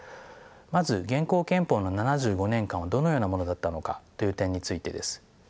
まず現行憲法の７５年間はどのようなものだったのかという点についてです。